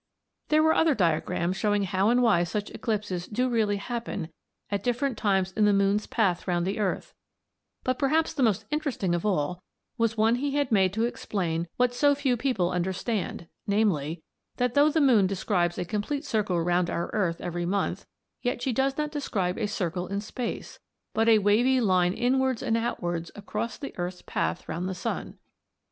There were other diagrams showing how and why such eclipses do really happen at different times in the moon's path round the earth; but perhaps the most interesting of all was one he had made to explain what so few people understand, namely, that though the moon describes a complete circle round our earth every month, yet she does not describe a circle in space, but a wavy line inwards and outwards across the earth's path round the sun.